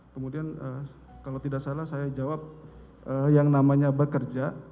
kemudian kalau tidak salah saya jawab yang namanya bekerja